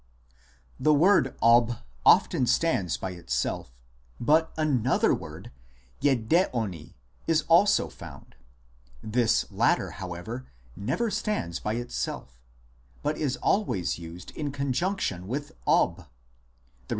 The word Ob often stands by itself ; but another word, Yidde oni, is also found ; this latter, however, never stands by itself, but is always used in conjunction with Ob ; the R.V.